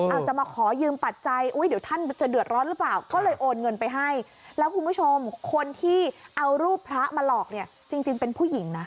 อาจจะมาขอยืมปัจจัยอุ้ยเดี๋ยวท่านจะเดือดร้อนหรือเปล่าก็เลยโอนเงินไปให้แล้วคุณผู้ชมคนที่เอารูปพระมาหลอกเนี่ยจริงจริงเป็นผู้หญิงนะ